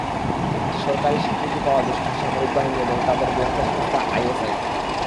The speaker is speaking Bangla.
একটি সরকারি স্বীকৃতি পাওয়া দেশটির সামরিক বাহিনী এবং তাদের গোয়েন্দা সংস্থা আইএসআই।